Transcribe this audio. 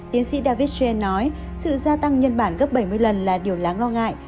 tiến sĩ david chen nói sự gia tăng nhân bản gấp bảy mươi lần là điều láng lo ngại